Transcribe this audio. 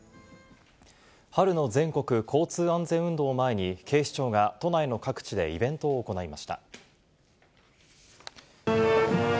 春の全国交通安全運動を前に、警視庁が都内の各地でイベントを行いました。